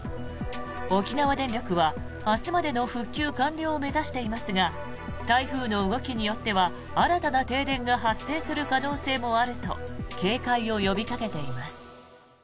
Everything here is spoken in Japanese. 沖縄電力は明日までの復旧完了を目指していますが台風の動きによっては新たな停電が発生する可能性もあると警戒を呼びかけています。